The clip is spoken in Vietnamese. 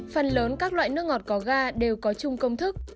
phần lớn các loại nước ngọt có ga đều có chung công thức